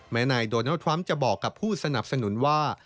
นายโดนัลดทรัมป์จะบอกกับผู้สนับสนุนว่า